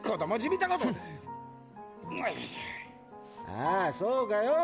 ああそうかよ！